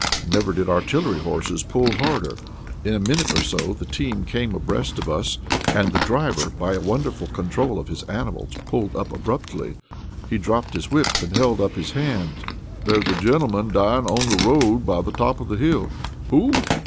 Never did artillery horses pull harder! In a minute or so the team came abreast of us, and the driver, by a wonderful control of his animals, pulled up abruptly. He dropped his whip and held up his hand. "There is a gentleman dying on the road by the top of the hill!" "Who?